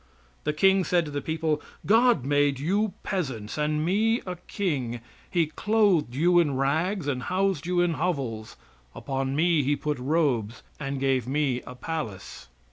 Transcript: The king said to the people: "God made you peasants and me a king; He clothed you in rags and housed you in hovels; upon me He put robes and gave me a palace."